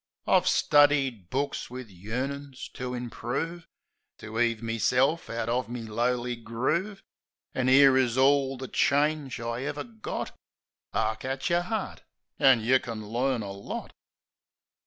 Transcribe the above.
I've studied books wiv yearnin's to improve. To 'eave meself out of me lowly groove, An' 'ere is orl the change I ever got: " 'Ark at yer 'eart, an' you kin learn the lot.'